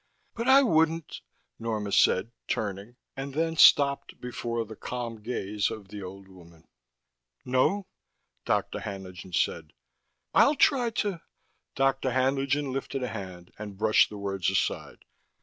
"But I wouldn't " Norma said, turning, and then stopped before the calm gaze of the old woman. "No?" Dr. Haenlingen said. "I'll try to " Dr. Haenlingen lifted a hand and brushed the words aside.